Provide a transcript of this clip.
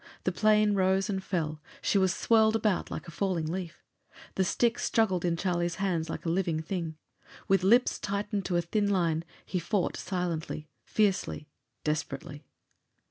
The plane rose and fell; she was swirled about like a falling leaf. The stick struggled in Charlie's hands like a living thing. With lips tightened to a thin line, he fought silently, fiercely, desperately.